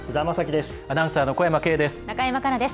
アナウンサーの小山径です。